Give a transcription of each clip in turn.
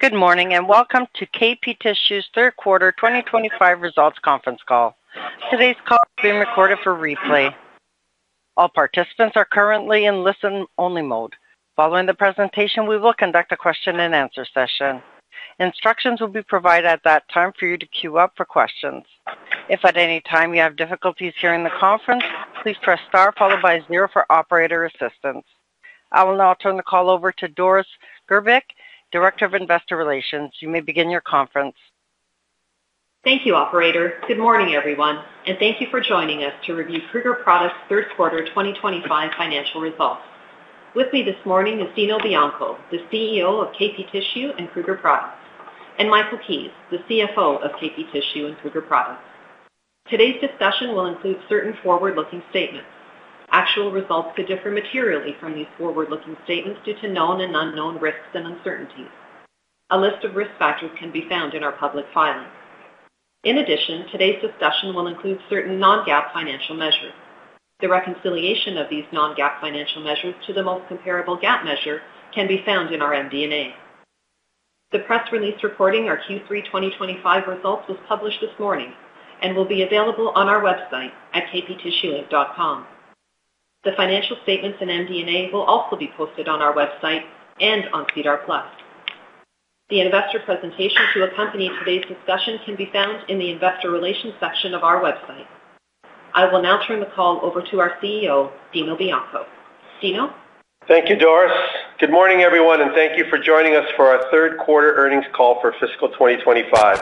Good morning and welcome to KP Tissue's Third Quarter 2025 Results Conference Call. Today's call is being recorded for replay. All participants are currently in listen-only mode. Following the presentation, we will conduct a Q&A session. Instructions will be provided at that time for you to queue up for questions. If at any time you have difficulties hearing the conference, please press * followed by zero for operator assistance. I will now turn the call over to Doris Gerbic, Director of Investor Relations. You may begin your conference. Thank you, Operator. Good morning, everyone, and thank you for joining us to review Kruger Products' Third Quarter 2025 financial results. With me this morning is Dino Bianco, the CEO of KP Tissue and Kruger Products, and Michael Keays, the CFO of KP Tissue and Kruger Products. Today's discussion will include certain forward-looking statements. Actual results could differ materially from these forward-looking statements due to known and unknown risks and uncertainties. A list of risk factors can be found in our public filing. In addition, today's discussion will include certain non-GAAP financial measures. The reconciliation of these non-GAAP financial measures to the most comparable GAAP measure can be found in our MD&A. The press release reporting our Q3 2025 results was published this morning and will be available on our website at kptissueinc.com. The financial statements and MD&A will also be posted on our website and on SEDAR+. The investor presentation to accompany today's discussion can be found in the investor relations section of our website. I will now turn the call over to our CEO, Dino Bianco. Dino? Thank you, Doris. Good morning, everyone, and thank you for joining us for our Third Quarter Earnings Call for Fiscal 2025.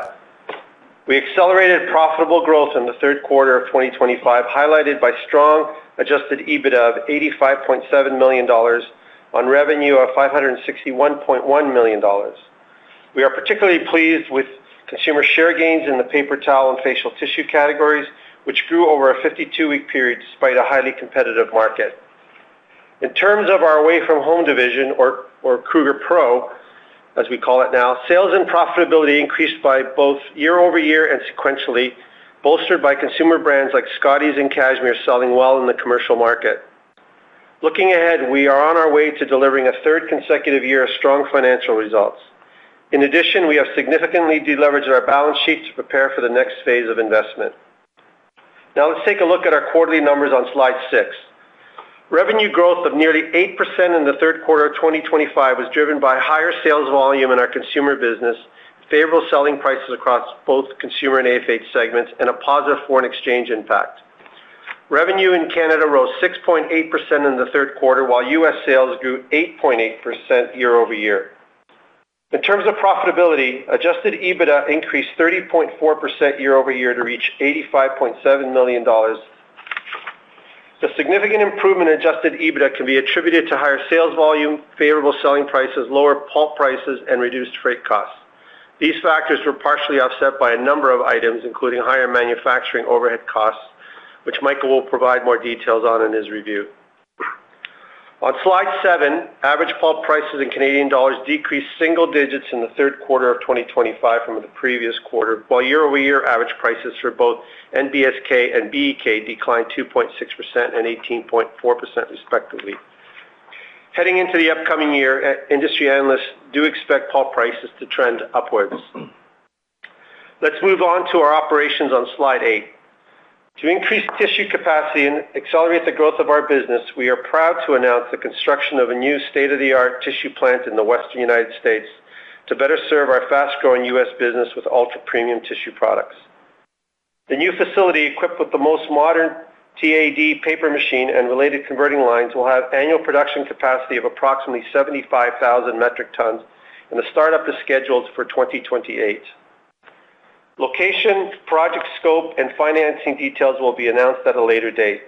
We accelerated profitable growth in the Third Quarter of 2025, highlighted by strong adjusted EBITDA of $85.7 million on revenue of $561.1 million. We are particularly pleased with consumer share gains in the paper towel and facial tissue categories, which grew over a 52-week period despite a highly competitive market. In terms of our away-from-home division, or Kruger Pro, as we call it now, sales and profitability increased both year-over-year and sequentially, bolstered by consumer brands like Scotties and Cashmere selling well in the commercial market. Looking ahead, we are on our way to delivering a third consecutive year of strong financial results. In addition, we have significantly deleveraged our balance sheet to prepare for the next phase of investment. Now, let's take a look at our quarterly numbers on slide six. Revenue growth of nearly 8% in the Third Quarter of 2025 was driven by higher sales volume in our consumer business, favorable selling prices across both consumer and AFH segments, and a positive foreign exchange impact. Revenue in Canada rose 6.8% in the Third Quarter, while U.S. sales grew 8.8% year-over-year. In terms of profitability, adjusted EBITDA increased 30.4% year-over-year to reach $85.7 million. A significant improvement in adjusted EBITDA can be attributed to higher sales volume, favorable selling prices, lower pulp prices, and reduced freight costs. These factors were partially offset by a number of items, including higher manufacturing overhead costs, which Michael will provide more details on in his review. On slide seven, average pulp prices in Canadian dollars decreased single digits in the Third Quarter of 2025 from the previous quarter, while year-over-year average prices for both NBSK and BEK declined 2.6% and 18.4%, respectively. Heading into the upcoming year, industry analysts do expect pulp prices to trend upwards. Let's move on to our operations on slide eight. To increase tissue capacity and accelerate the growth of our business, we are proud to announce the construction of a new state-of-the-art tissue plant in the western United States to better serve our fast-growing U.S. business with ultra-premium tissue products. The new facility, equipped with the most modern TAD paper machine and related converting lines, will have annual production capacity of approximately 75,000 metric tons, and the startup is scheduled for 2028. Location, project scope, and financing details will be announced at a later date.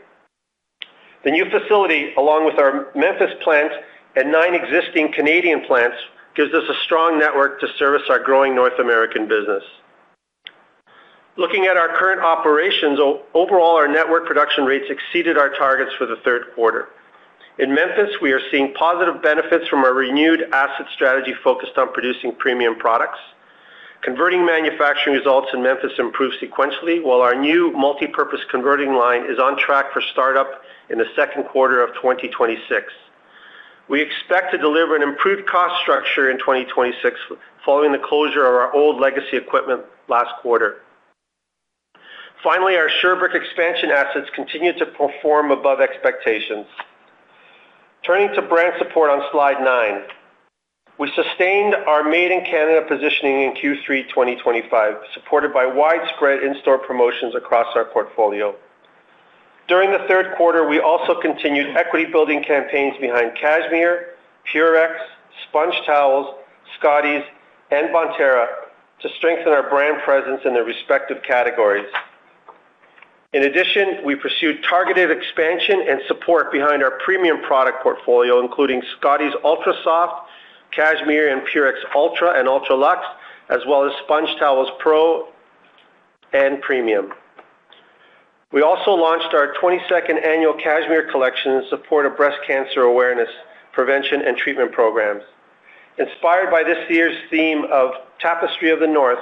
The new facility, along with our Memphis plant and nine existing Canadian plants, gives us a strong network to service our growing North American business. Looking at our current operations, overall, our network production rates exceeded our targets for the Third Quarter. In Memphis, we are seeing positive benefits from our renewed asset strategy focused on producing premium products. Converting manufacturing results in Memphis improved sequentially, while our new multi-purpose converting line is on track for startup in the second quarter of 2026. We expect to deliver an improved cost structure in 2026 following the closure of our old legacy equipment last quarter. Finally, our Sherbrooke expansion assets continue to perform above expectations. Turning to brand support on slide nine, we sustained our Made in Canada positioning in Q3 2025, supported by widespread in-store promotions across our portfolio. During the Third Quarter, we also continued equity-building campaigns behind Cashmere, Purex, Sponge Towels, Scotty's, and Bontera to strengthen our brand presence in their respective categories. In addition, we pursued targeted expansion and support behind our premium product portfolio, including Scotty's Ultra Soft, Cashmere, and Purex Ultra and Ultra Luxe, as well as Sponge Towels Pro and Premium. We also launched our 22nd annual Cashmere Collection in support of breast cancer awareness, prevention, and treatment programs. Inspired by this year's theme of Tapestry of the North,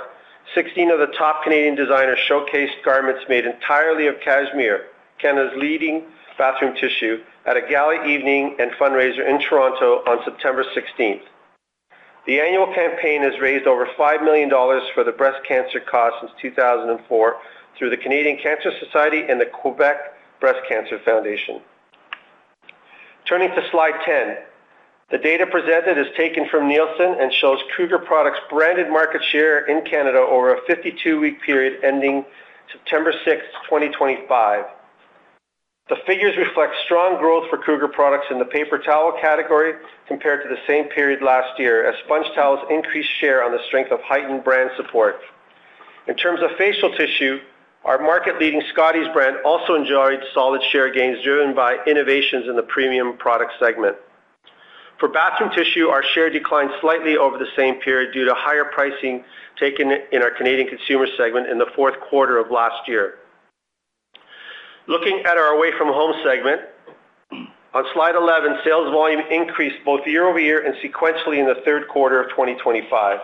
16 of the top Canadian designers showcased garments made entirely of Cashmere, Canada's leading bathroom tissue, at a gallery evening and fundraiser in Toronto on September 16th. The annual campaign has raised over $5 million for the breast cancer caused since 2004 through the Canadian Cancer Society and the Quebec Breast Cancer Foundation. Turning to slide ten, the data presented is taken from Nielsen and shows Kruger Products' branded market share in Canada over a 52-week period ending September 6th, 2025. The figures reflect strong growth for Kruger Products in the paper towel category compared to the same period last year, as Sponge Towels increased share on the strength of heightened brand support. In terms of facial tissue, our market-leading Scotty's brand also enjoyed solid share gains driven by innovations in the premium product segment. For bathroom tissue, our share declined slightly over the same period due to higher pricing taken in our Canadian consumer segment in the fourth quarter of last year. Looking at our away-from-home segment, on slide 11, sales volume increased both year-over-year and sequentially in the Third Quarter of 2025.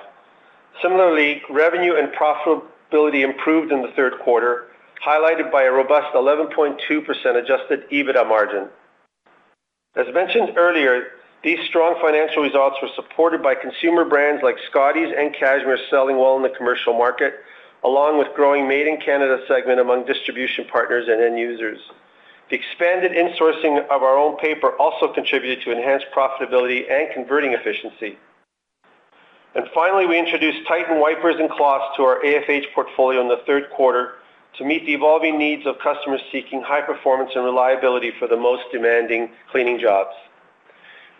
Similarly, revenue and profitability improved in the Third Quarter, highlighted by a robust 11.2% adjusted EBITDA margin. As mentioned earlier, these strong financial results were supported by consumer brands like Scotty's and Cashmere selling well in the commercial market, along with growing Made in Canada segment among distribution partners and end users. The expanded insourcing of our own paper also contributed to enhanced profitability and converting efficiency. And finally, we introduced Titan wipers and cloths to our AFH portfolio in the Third Quarter to meet the evolving needs of customers seeking high performance and reliability for the most demanding cleaning jobs.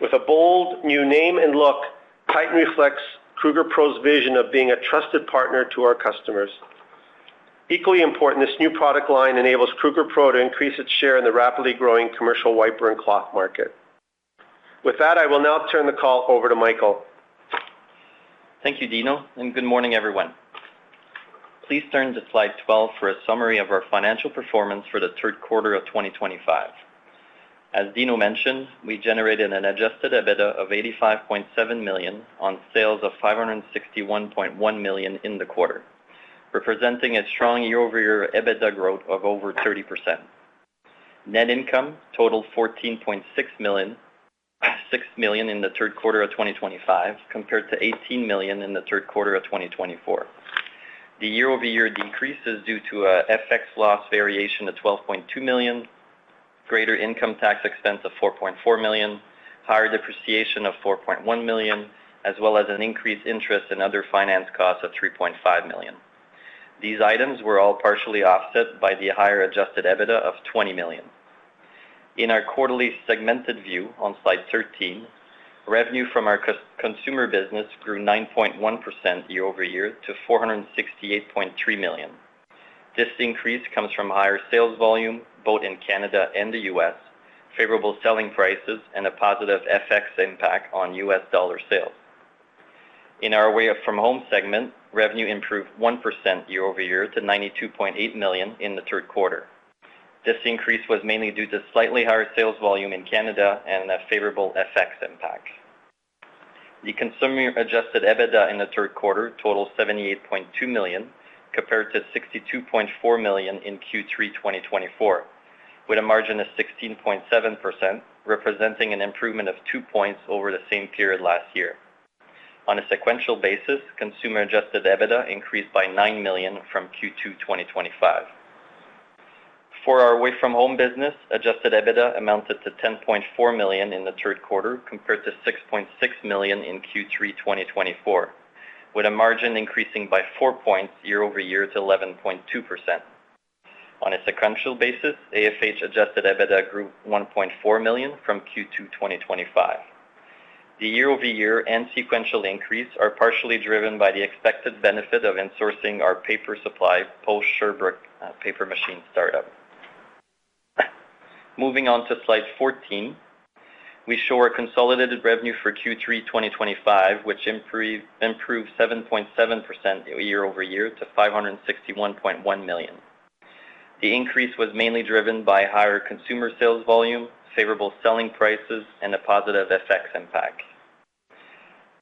With a bold new name and look, Titan reflects Kruger Pro's vision of being a trusted partner to our customers. Equally important, this new product line enables Kruger Pro to increase its share in the rapidly growing commercial wiper and cloth market. With that, I will now turn the call over to Michael. Thank you, Dino, and good morning, everyone. Please turn to slide 12 for a summary of our financial performance for the Third Quarter of 2025. As Dino mentioned, we generated an adjusted EBITDA of $85.7 million on sales of $561.1 million in the quarter, representing a strong year-over-year EBITDA growth of over 30%. Net income totaled $14.6 million in the Third Quarter of 2025, compared to $18 million in the Third Quarter of 2024. The year-over-year decrease is due to an FX loss variation of $12.2 million, greater income tax expense of $4.4 million, higher depreciation of $4.1 million, as well as an increased interest and other finance costs of $3.5 million. These items were all partially offset by the higher adjusted EBITDA of $20 million. In our quarterly segmented view on slide 13, revenue from our consumer business grew 9.1% year-over-year to $468.3 million. This increase comes from higher sales volume, both in Canada and the U.S., favorable selling prices, and a positive FX impact on U.S. dollar sales. In our away-from-home segment, revenue improved 1% year-over-year to $92.8 million in the Third Quarter. This increase was mainly due to slightly higher sales volume in Canada and a favorable FX impact. The consumer-adjusted EBITDA in the Third Quarter totaled $78.2 million, compared to $62.4 million in Q3 2024, with a margin of 16.7%, representing an improvement of two points over the same period last year. On a sequential basis, consumer-adjusted EBITDA increased by $9 million from Q2 2025. For our away-from-home business, adjusted EBITDA amounted to $10.4 million in the Third Quarter, compared to $6.6 million in Q3 2024, with a margin increasing by four points year-over-year to 11.2%. On a sequential basis, AFH-adjusted EBITDA grew $1.4 million from Q2 2025. The year-over-year and sequential increase are partially driven by the expected benefit of insourcing our paper supply post-Sherbrooke paper machine startup. Moving on to slide 14, we show our consolidated revenue for Q3 2025, which improved 7.7% year-over-year to $561.1 million. The increase was mainly driven by higher consumer sales volume, favorable selling prices, and a positive FX impact.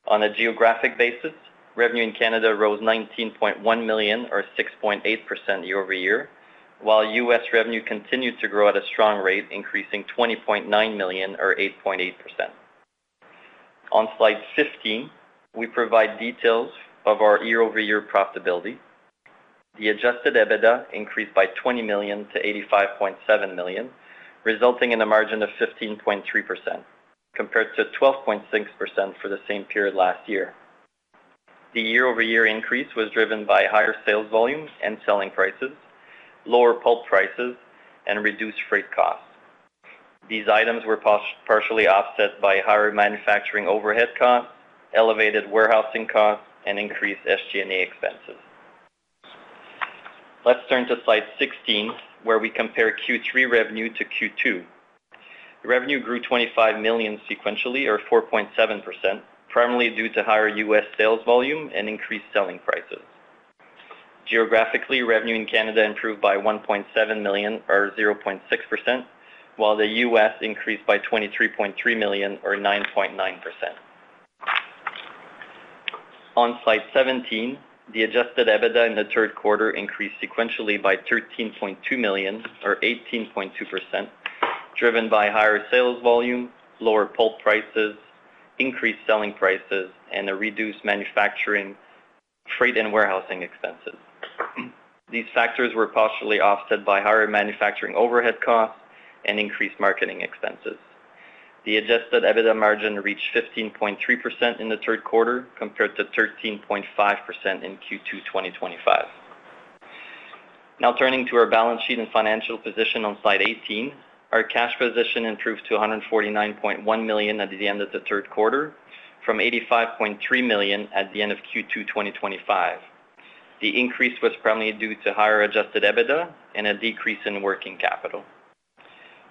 On a geographic basis, revenue in Canada rose $19.1 million, or 6.8% year-over-year, while U.S. revenue continued to grow at a strong rate, increasing $20.9 million, or 8.8%. On slide 15, we provide details of our year-over-year profitability. The adjusted EBITDA increased by $20 million to $85.7 million, resulting in a margin of 15.3%, compared to 12.6% for the same period last year. The year-over-year increase was driven by higher sales volume and selling prices, lower pulp prices, and reduced freight costs. These items were partially offset by higher manufacturing overhead costs, elevated warehousing costs, and increased SG&A expenses. Let's turn to slide 16, where we compare Q3 revenue to Q2. Revenue grew $25 million sequentially, or 4.7%, primarily due to higher U.S. sales volume and increased selling prices. Geographically, revenue in Canada improved by $1.7 million, or 0.6%, while the U.S. increased by $23.3 million, or 9.9%. On slide 17, the adjusted EBITDA in the third quarter increased sequentially by $13.2 million, or 18.2%, driven by higher sales volume, lower pulp prices, increased selling prices, and reduced manufacturing, freight, and warehousing expenses. These factors were partially offset by higher manufacturing overhead costs and increased marketing expenses. The adjusted EBITDA margin reached 15.3% in the third quarter, compared to 13.5% in Q2 2025. Now turning to our balance sheet and financial position on slide 18, our cash position improved to 149.1 million at the end of the third quarter, from 85.3 million at the end of Q2 2025. The increase was primarily due to higher adjusted EBITDA and a decrease in working capital.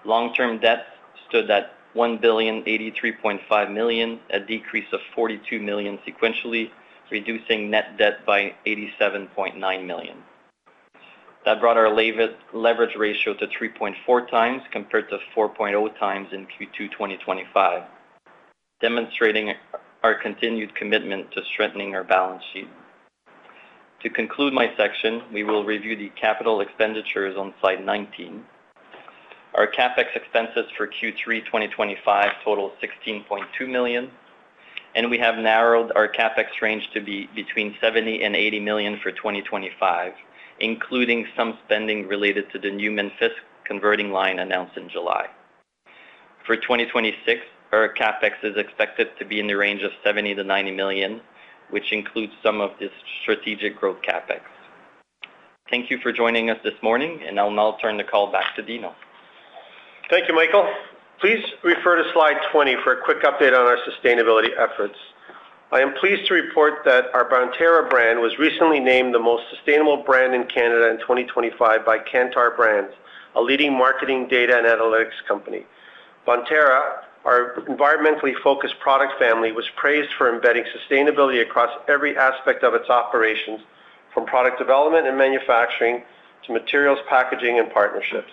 Long-term debt stood at 1,083.5 million, a decrease of 42 million sequentially, reducing net debt by 87.9 million. That brought our leverage ratio to 3.4 times, compared to 4.0 times in Q2 2025, demonstrating our continued commitment to strengthening our balance sheet. To conclude my section, we will review the capital expenditures on slide 19. Our CapEx expenses for Q3 2025 totaled 16.2 million, and we have narrowed our CapEx range to be between 70 million-80 million for 2025, including some spending related to the new Memphis converting line announced in July. For 2026, our CapEx is expected to be in the range of $70 to $90 million, which includes some of the strategic growth CapEx. Thank you for joining us this morning, and I'll now turn the call back to Dino. Thank you, Michael. Please refer to slide 20 for a quick update on our sustainability efforts. I am pleased to report that our Bonterra brand was recently named the most sustainable brand in Canada in 2025 by Kantar Brands, a leading marketing data and analytics company. Bonterra, our environmentally focused product family, was praised for embedding sustainability across every aspect of its operations, from product development and manufacturing to materials packaging and partnerships.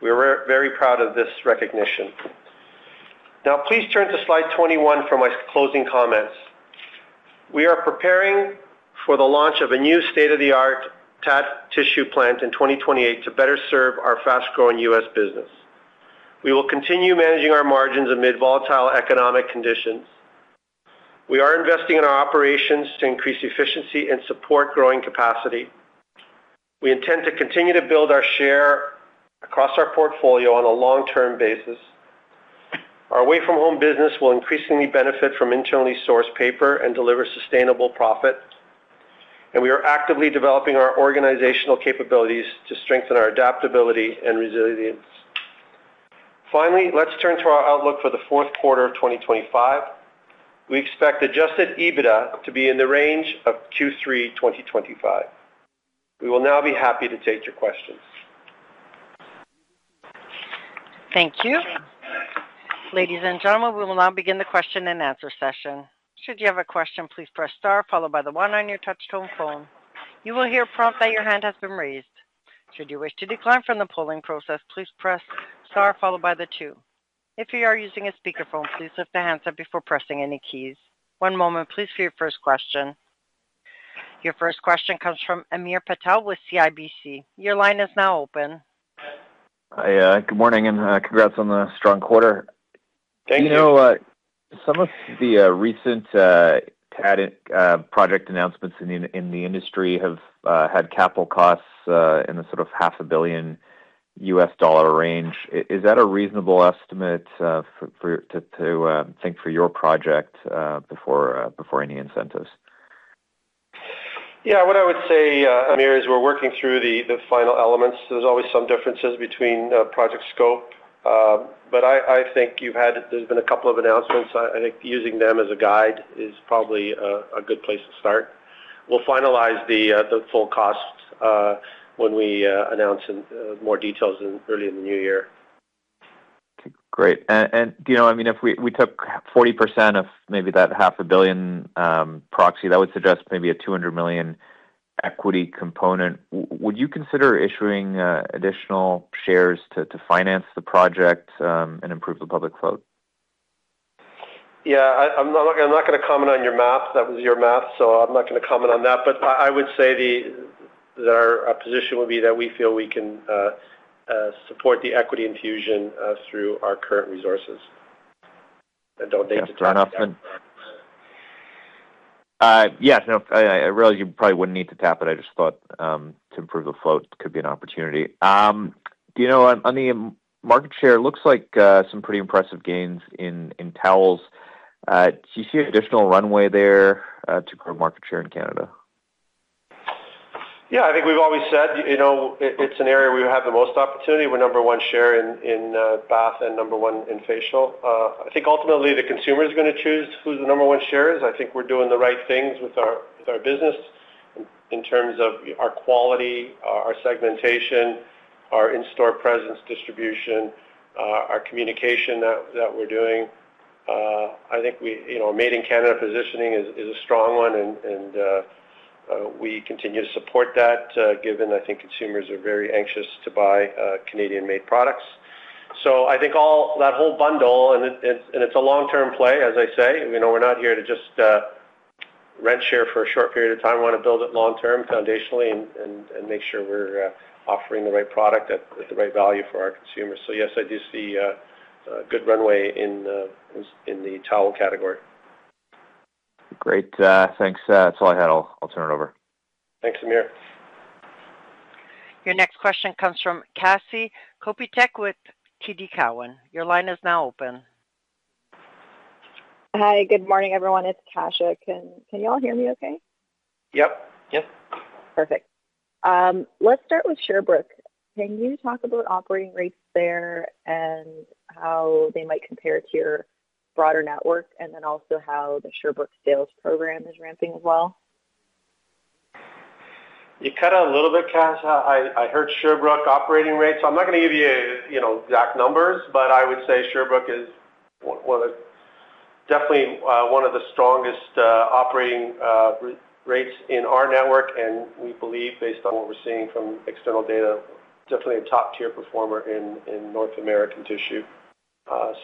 We are very proud of this recognition. Now, please turn to slide 21 for my closing comments. We are preparing for the launch of a new state-of-the-art tissue plant in 2028 to better serve our fast-growing U.S. business. We will continue managing our margins amid volatile economic conditions. We are investing in our operations to increase efficiency and support growing capacity. We intend to continue to build our share across our portfolio on a long-term basis. Our away-from-home business will increasingly benefit from internally sourced paper and deliver sustainable profit, and we are actively developing our organizational capabilities to strengthen our adaptability and resilience. Finally, let's turn to our outlook for the Fourth Quarter of 2025. We expect adjusted EBITDA to be in the range of Q3 2025. We will now be happy to take your questions. Thank you. Ladies and gentlemen, we will now begin the Q&A session. Should you have a question, please press *, followed by the one on your touch-tone phone. You will hear a prompt that your hand has been raised. Should you wish to decline from the polling process, please press *, followed by the two. If you are using a speakerphone, please lift the handset up before pressing any keys. One moment, please, for your first question. Your first question comes from Hamir Patel with CIBC. Your line is now open. Hi, good morning, and congrats on the strong quarter. Thank you. You know, some of the recent project announcements in the industry have had capital costs in the sort of half a billion U.S. dollar range. Is that a reasonable estimate to think for your project before any incentives? Yeah, what I would say, Hamir, is we're working through the final elements. There's always some differences between project scope, but I think you've had—there's been a couple of announcements. I think using them as a guide is probably a good place to start. We'll finalize the full cost when we announce more details early in the new year. Great. And, Dino, I mean, if we took 40% of maybe that half a billion proxy, that would suggest maybe a $200 million equity component. Would you consider issuing additional shares to finance the project and improve the public float? Yeah, I'm not going to comment on your math. That was your math, so I'm not going to comment on that. But I would say that our position would be that we feel we can support the equity infusion through our current resources. That's a good round-up. Yes, I realize you probably wouldn't need to tap it. I just thought to improve the float could be an opportunity. Dino, on the market share, it looks like some pretty impressive gains in towels. Do you see additional runway there to grow market share in Canada? Yeah, I think we've always said it's an area where we have the most opportunity. We're number one share in bath and number one in facial. I think ultimately the consumer is going to choose who the number one share is. I think we're doing the right things with our business in terms of our quality, our segmentation, our in-store presence distribution, our communication that we're doing. I think our Made in Canada positioning is a strong one, and we continue to support that, given I think consumers are very anxious to buy Canadian-made products. So I think that whole bundle, and it's a long-term play, as I say. We're not here to just rent share for a short period of time. We want to build it long-term, foundationally, and make sure we're offering the right product at the right value for our consumers. So yes, I do see good runway in the towel category. Great. Thanks. That's all I had. I'll turn it over. Thanks, Amir. Your next question comes from Kasia Kopytek with TD Cowen. Your line is now open. Hi, good morning, everyone. It's Kasia. Can you all hear me okay? Yep. Yep. Perfect. Let's start with Sherbrooke. Can you talk about operating rates there and how they might compare to your broader network, and then also how the Sherbrooke sales program is ramping as well? You cut out a little bit, Kasia. I heard Sherbrooke operating rates. I'm not going to give you exact numbers, but I would say Sherbrooke is definitely one of the strongest operating rates in our network, and we believe, based on what we're seeing from external data, definitely a top-tier performer in North American tissue.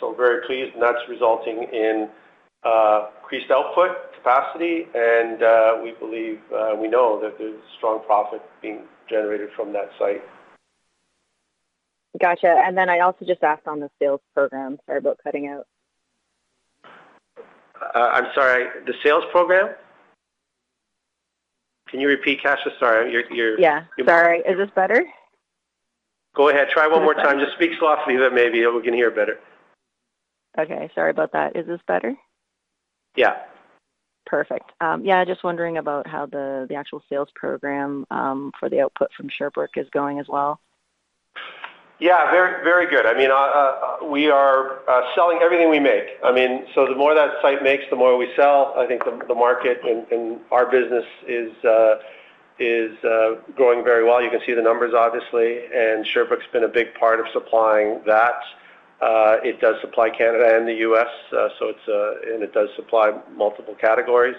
So very pleased, and that's resulting in increased output capacity, and we believe we know that there's strong profit being generated from that site. Gotcha. And then I also just asked on the sales program. Sorry about cutting out. I'm sorry. The sales program? Can you repeat, Kasia? Sorry, you're— Yeah. Sorry. Is this better? Go ahead. Try one more time. Just speak softly that maybe we can hear better. Okay. Sorry about that. Is this better? Yeah. Perfect. Yeah, just wondering about how the actual sales program for the output from Sherbrooke is going as well. Yeah, very good. I mean, we are selling everything we make. I mean, so the more that site makes, the more we sell. I think the market and our business is growing very well. You can see the numbers, obviously, and Sherbrooke's been a big part of supplying that. It does supply Canada and the U.S., and it does supply multiple categories.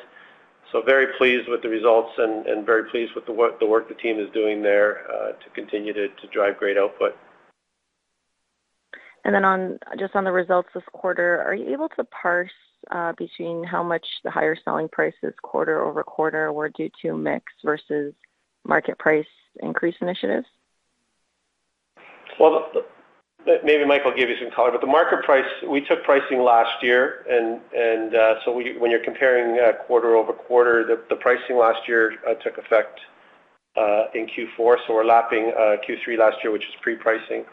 So very pleased with the results and very pleased with the work the team is doing there to continue to drive great output. And then just on the results this quarter, are you able to parse between how much the higher selling prices quarter over quarter were due to mix versus market price increase initiatives? Well, maybe Michael will give you some color, but the market price—we took pricing last year, and so when you're comparing quarter over quarter, the pricing last year took effect in Q4, so we're lapping Q3 last year, which is pre-pricing.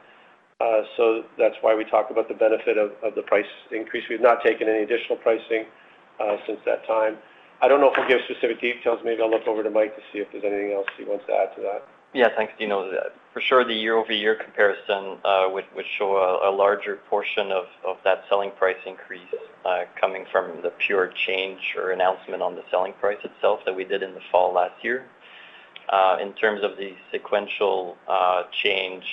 So that's why we talked about the benefit of the price increase. We've not taken any additional pricing since that time. I don't know if we'll give specific details. Maybe I'll look over to Mike to see if there's anything else he wants to add to that. Yeah, thanks. For sure, the year-over-year comparison would show a larger portion of that selling price increase coming from the pure change or announcement on the selling price itself that we did in the fall last year. In terms of the sequential change,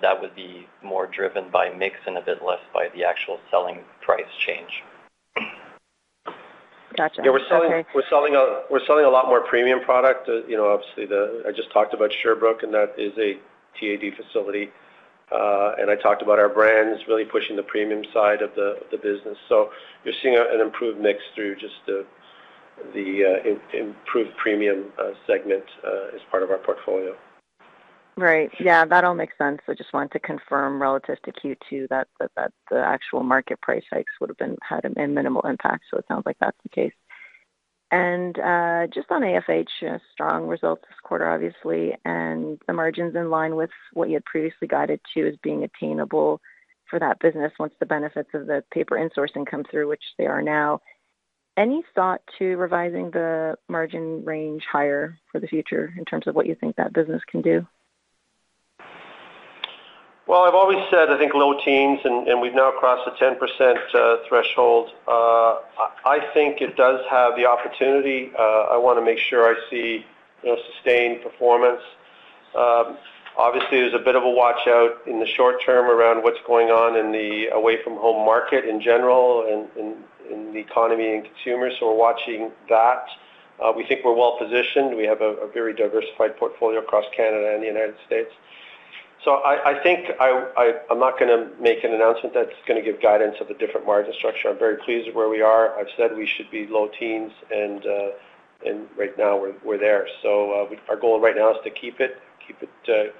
that would be more driven by mix and a bit less by the actual selling price change. Gotcha. Okay. Yeah, we're selling a lot more premium product. Obviously, I just talked about Sherbrooke, and that is a TAD facility. And I talked about our brands really pushing the premium side of the business. So you're seeing an improved mix through just the improved premium segment as part of our portfolio. Right. Yeah, that all makes sense. I just wanted to confirm relative to Q2 that the actual market price hikes would have had a minimal impact. So it sounds like that's the case. And just on AFH, strong results this quarter, obviously, and the margins in line with what you had previously guided to as being attainable for that business once the benefits of the paper insourcing come through, which they are now. Any thought to revising the margin range higher for the future in terms of what you think that business can do? Well, I've always said, I think, low teens, and we've now crossed the 10% threshold. I think it does have the opportunity. I want to make sure I see sustained performance. Obviously, there's a bit of a watch-out in the short term around what's going on in the away-from-home market in general and in the economy and consumers. So we're watching that. We think we're well-positioned. We have a very diversified portfolio across Canada and the United States. So I think I'm not going to make an announcement that's going to give guidance of a different margin structure. I'm very pleased with where we are. I've said we should be low teens, and right now we're there. So our goal right now is to keep it, keep it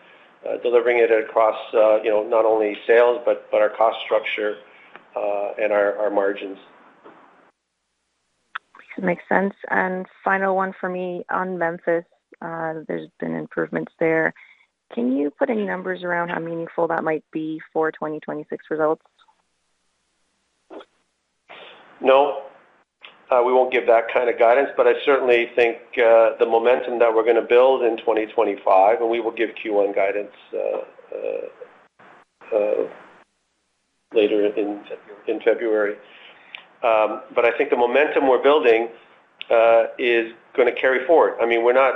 delivering it across not only sales, but our cost structure and our margins. Makes sense. And final one for me on Memphis. There's been improvements there. Can you put any numbers around how meaningful that might be for 2026 results? No. We won't give that kind of guidance, but I certainly think the momentum that we're going to build in 2025, and we will give Q1 guidance later in February. But I think the momentum we're building is going to carry forward. I mean, we're not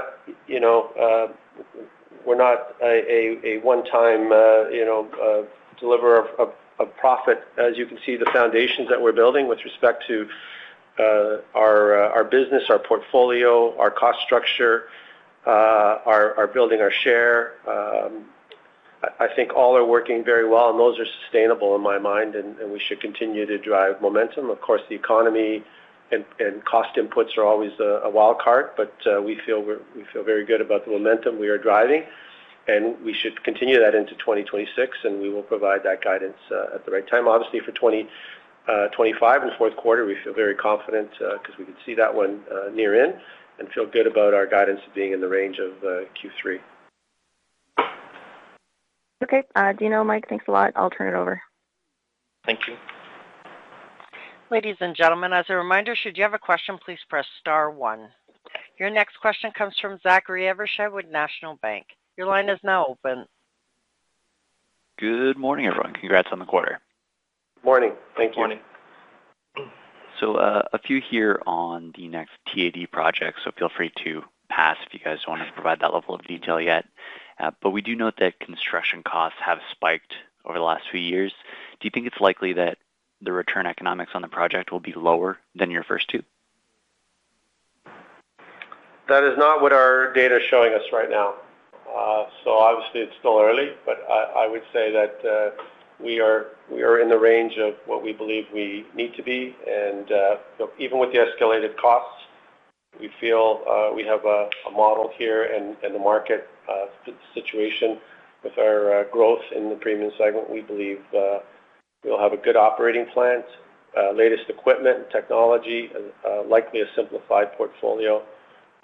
a one-time deliverer of profit. As you can see, the foundations that we're building with respect to our business, our portfolio, our cost structure, our building our share, I think all are working very well, and those are sustainable in my mind, and we should continue to drive momentum. Of course, the economy and cost inputs are always a wild card, but we feel very good about the momentum we are driving, and we should continue that into 2026, and we will provide that guidance at the right time. Obviously, for 2025 and fourth quarter, we feel very confident because we can see that one near in and feel good about our guidance being in the range of Q3. Okay. Dino, Mike, thanks a lot. I'll turn it over. Thank you. Ladies and gentlemen, as a reminder, should you have a question, please press * one. Your next question comes from Zachary Evershed with National Bank. Your line is now open. Good morning, everyone. Congrats on the quarter. Good morning. Thank you. Good morning. So a few here on the next TAD project, so feel free to pass if you guys want to provide that level of detail yet. But we do note that construction costs have spiked over the last few years. Do you think it's likely that the return economics on the project will be lower than your first two? That is not what our data is showing us right now. So obviously, it's still early, but I would say that we are in the range of what we believe we need to be. And even with the escalated costs, we feel we have a model here and the market situation with our growth in the premium segment. We believe we'll have a good operating plan, latest equipment and technology, likely a simplified portfolio,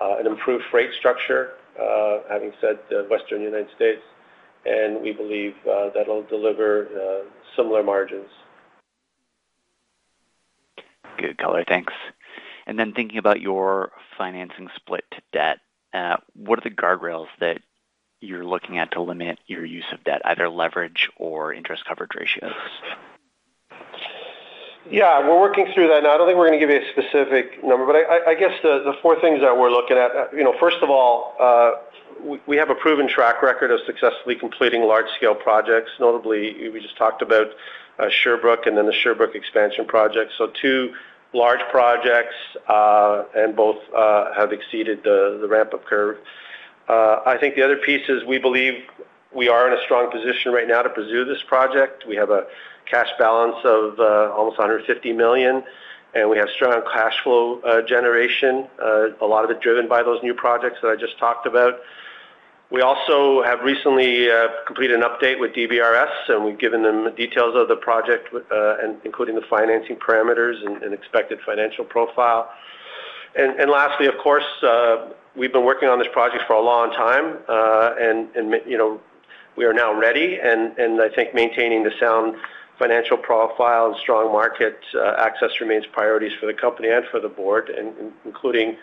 an improved freight structure, having said Western United States, and we believe that'll deliver similar margins. Good color. Thanks. And then thinking about your financing split to debt, what are the guardrails that you're looking at to limit your use of debt, either leverage or interest coverage ratios? Yeah, we're working through that. I don't think we're going to give you a specific number, but I guess the four things that we're looking at, first of all, we have a proven track record of successfully completing large-scale projects. Notably, we just talked about Sherbrooke and then the Sherbrooke expansion project. So two large projects, and both have exceeded the ramp-up curve. I think the other piece is we believe we are in a strong position right now to pursue this project. We have a cash balance of almost 150 million, and we have strong cash flow generation, a lot of it driven by those new projects that I just talked about. We also have recently completed an update with DBRS, and we've given them details of the project, including the financing parameters and expected financial profile. And lastly, of course, we've been working on this project for a long time, and we are now ready. And I think maintaining the sound financial profile and strong market access remains priorities for the company and for the board, including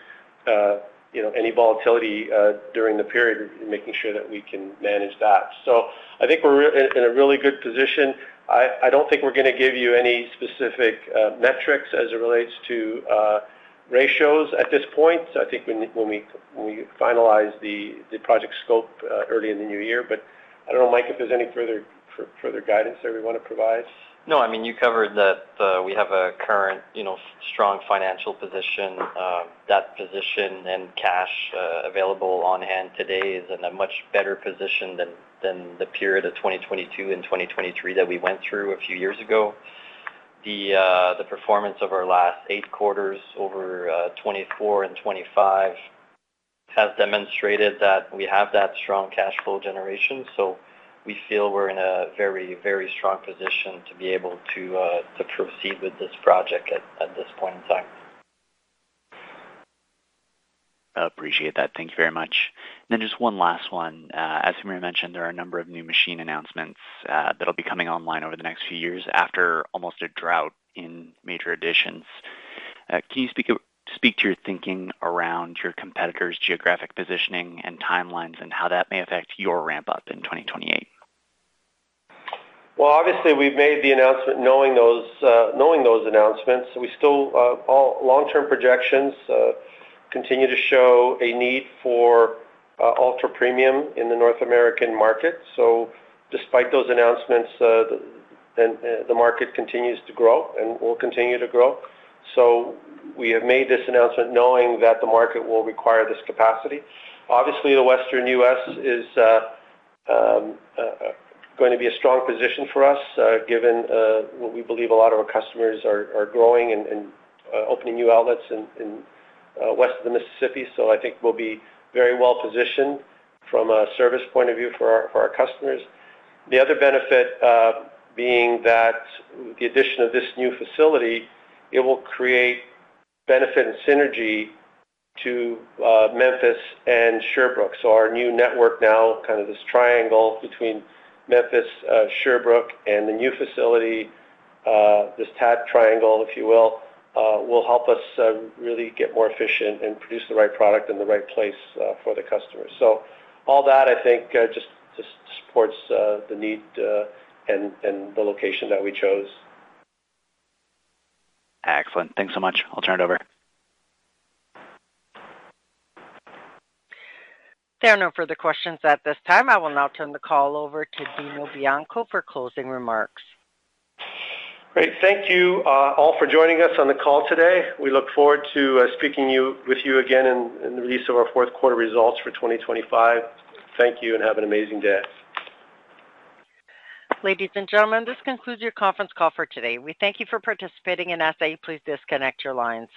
any volatility during the period, making sure that we can manage that. So I think we're in a really good position. I don't think we're going to give you any specific metrics as it relates to ratios at this point. So I think when we finalize the project scope early in the new year, but I don't know, Mike, if there's any further guidance that we want to provide. No, I mean, you covered that we have a current strong financial position. That position and cash available on hand today is in a much better position than the period of 2022 and 2023 that we went through a few years ago. The performance of our last eight quarters, over 2024 and 2025, has demonstrated that we have that strong cash flow generation. So we feel we're in a very, very strong position to be able to proceed with this project at this point in time. Appreciate that. Thank you very much. And then just one last one. As Amir mentioned, there are a number of new machine announcements that will be coming online over the next few years after almost a drought in major additions. Can you speak to your thinking around your competitor's geographic positioning and timelines and how that may affect your ramp-up in 2028? Well, obviously, we've made the announcement knowing those announcements. Long-term projections continue to show a need for ultra-premium in the North American market. So despite those announcements, the market continues to grow and will continue to grow. So we have made this announcement knowing that the market will require this capacity. Obviously, the Western U.S. is going to be a strong position for us given what we believe a lot of our customers are growing and opening new outlets in west of the Mississippi. So I think we'll be very well-positioned from a service point of view for our customers. The other benefit being that with the addition of this new facility, it will create benefit and synergy to Memphis and Sherbrooke. So our new network now, kind of this triangle between Memphis, Sherbrooke, and the new facility, this tad triangle, if you will, will help us really get more efficient and produce the right product in the right place for the customers. So all that, I think, just supports the need and the location that we chose. Excellent. Thanks so much. I'll turn it over. There are no further questions at this time. I will now turn the call over to Dino Bianco for closing remarks. Great. Thank you all for joining us on the call today. We look forward to speaking with you again in the release of our fourth quarter results for 2025. Thank you and have an amazing day. Ladies and gentlemen, this concludes your conference call for today. We thank you for participating and ask that you please disconnect your lines.